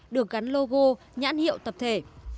được gắn logo nhãn hiệu tập thể